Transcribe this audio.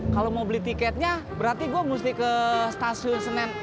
kalau mau beli tiketnya berarti gue mesti ke stasiun senen